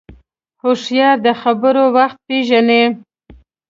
هوښیار د خبرو وخت پېژني